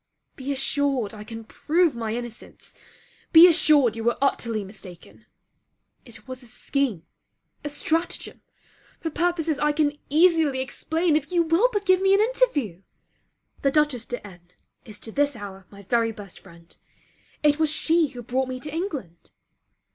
Be assured I can prove my innocence. Be assured you were utterly mistaken. It was a scheme, a stratagem for purposes I can easily explain if you will but give me an interview. The Dutchess de N is to this hour my very best friend; it was she who brought me to England.